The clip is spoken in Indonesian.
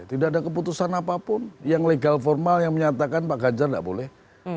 tidak ada keputusan apapun yang legal formal yang menyatakan pak ganjar tidak boleh